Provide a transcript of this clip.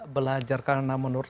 belajar karena menurut